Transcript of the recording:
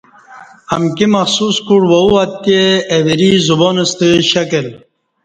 امکی مخصوص کوٹ واو اتے اہ وری ( زبان) ستہ شکل